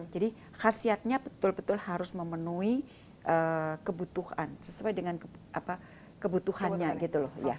jadi khasiatnya betul betul harus memenuhi kebutuhan sesuai dengan kebutuhannya gitu loh